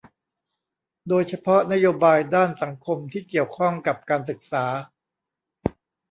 โดยเฉพาะนโยบายด้านสังคมที่เกี่ยวข้องกับการศึกษา